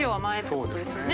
そうですね。